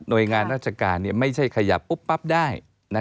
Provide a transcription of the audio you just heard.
โดยงานราชการไม่ใช่ขยับปุ๊บปั๊บได้